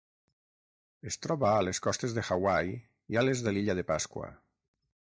Es troba a les costes de Hawaii i a les de l'Illa de Pasqua.